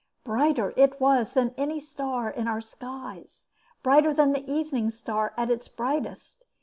Brighter it was than any star in our skies; brighter than the evening star at its brightest.